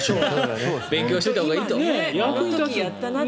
勉強しておいたほうがいいと。